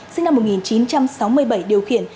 sinh năm một nghìn chín trăm sáu mươi bảy điều khiển